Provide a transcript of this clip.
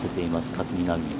勝みなみ。